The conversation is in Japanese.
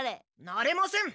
なれません。